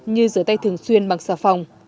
như rửa tay thường xuyên bằng xà phòng